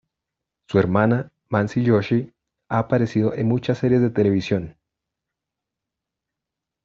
Su hermana, Mansi Joshi ha aparecido en muchas series de televisión.